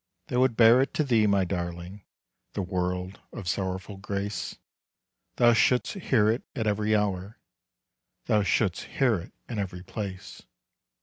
They would bear it to thee, my darling, The word of sorrowful grace. Thou should'st hear it at every hour, Thou shouldst hear it in every place.